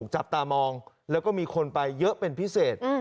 จับตามองแล้วก็มีคนไปเยอะเป็นพิเศษ